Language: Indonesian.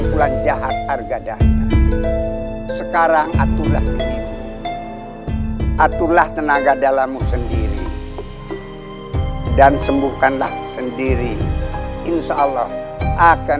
biar aku saja yang menghadapi mereka